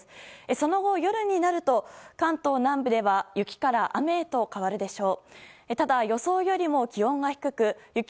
その後、夜になると関東南部では雪から雨へと変わるでしょう。